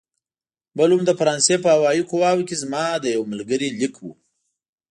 بل هم د فرانسې په هوايي قواوو کې زما د یوه ملګري لیک و.